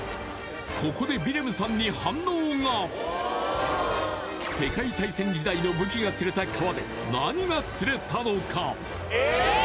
ここでヴィレムさんに反応が世界大戦時代の武器が釣れた川でえっ！？